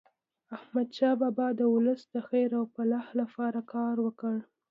احمد شاه بابا د ولس د خیر او فلاح لپاره کار وکړ.